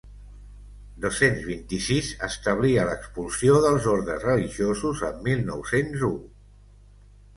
Dos-cents vint-i-sis establia l'expulsió dels ordes religiosos en mil nou-cents u.